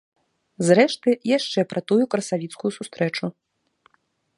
Зрэшты, яшчэ пра тую красавіцкую сустрэчу.